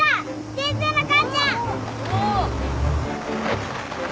先生の母ちゃん！